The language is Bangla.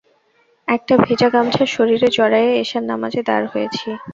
একটা ভেজা গামছা শরীরে জড়ায়ে এশার নামাজে দাঁড় হয়েছি।